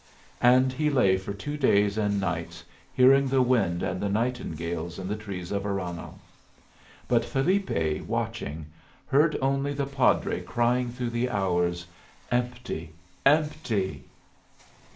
And he lay for two days and nights hearing the wind and the nightingales in the trees of Aranhal. But Felipe, watching, heard only the padre crying through the hours: "Empty! Empty!"